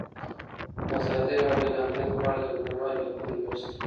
ازادي راډیو د امنیت په اړه د مینه والو لیکونه لوستي.